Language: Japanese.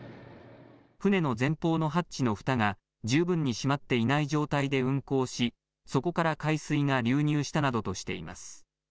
船の前方のハッチのふたが十分に閉まっていない状態で運航し、そこから海水が流入したなどとしています。